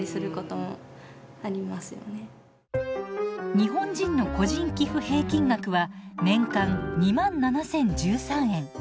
日本人の個人寄付平均額は年間２７，０１３円。